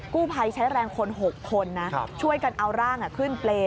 กู้ภัยใช้แรงคน๖คนนะช่วยกันเอาร่างขึ้นเปรย์